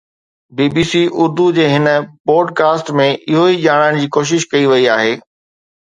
بي B C Urdu جي هن podcast ۾ اهو ئي ڄاڻڻ جي ڪوشش ڪئي وئي آهي